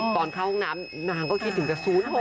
ตอนเข้าห้องน้ำนางก็คิดถึงจะ๐๖